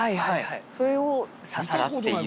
それをササラっていう。